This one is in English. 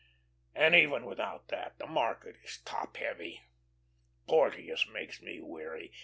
And even without that, the market is top heavy. Porteous makes me weary.